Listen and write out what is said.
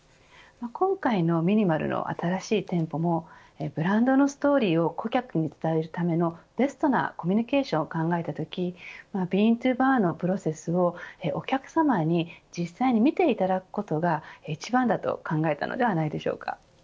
今回のＭｉｎｉｍａｌの新しい店舗もブランドのストーリーを顧客に伝えるためのベストなコミュニケーションを考えたときＢｅａｎｔｏＢａｒのプロセスをお客さまに実際に見ていただくことが１番だと考えたのではないでしょうか。